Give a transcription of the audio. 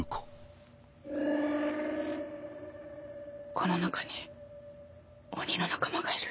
この中に鬼の仲間がいる。